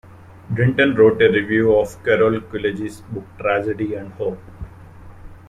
Brinton wrote a review of Carroll Quigley's book Tragedy and Hope.